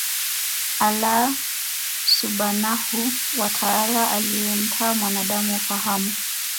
Allaah Subhaanahu wa Taala Aliyempa mwanaadamu ufahamu